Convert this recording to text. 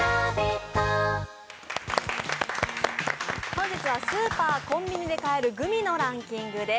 本日はスーパー、コンビニで買えるグミのランキングです。